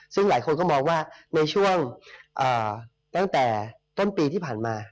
ซึ่งหลายคนก็มองว่าในช่วงตั้งแต่ต้นปีที่ผ่านมา